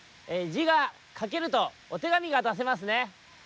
じがかけるとお手紙がだせますね。